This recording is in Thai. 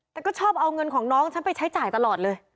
แต่ก็ชอบเอาเงินของน้องฉันไปใช้จ่ายตลอดเลย